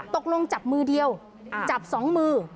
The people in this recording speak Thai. ตกลงจับมือเดียวจับสองมือ